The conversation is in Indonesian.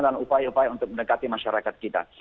upaya upaya untuk mendekati masyarakat kita